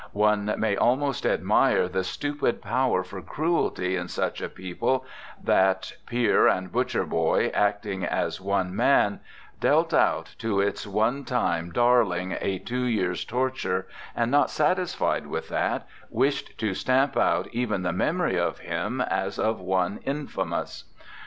One may almost admire the stupid power for cruelty in such a people that peer and butcher boy acting as one man dealt out to its one time 93 RECOLLECTIONS OF OSCAR WILDE darling a two years' torture, and, not satisfied with that, wished to stamp out even the memory of him as of one in famous.